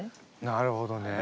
なるほどね。